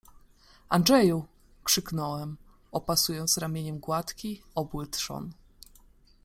— Andrzeju! — krzyknąłem, opasując ramieniem gładki, obły trzon.